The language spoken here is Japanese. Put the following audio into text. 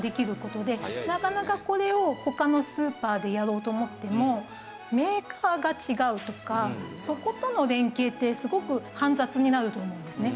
なかなかこれを他のスーパーでやろうと思ってもメーカーが違うとかそことの連携ってすごく煩雑になると思うんですね。